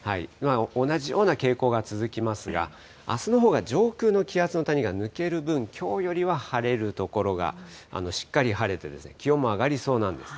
同じような傾向が続きますが、あすのほうが上空の気圧の谷が抜ける分、きょうよりは晴れる所が、しっかり晴れて、気温も上がりそうなんです。